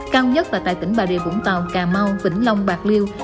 cao nhất là tại tỉnh bà rịa vũng tàu cà mau vĩnh long bạc liêu